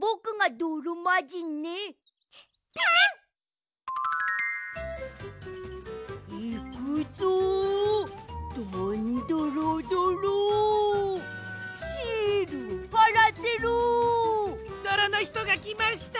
どろのひとがきました！